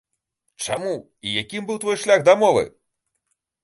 Чаму і якім быў твой шлях да мовы?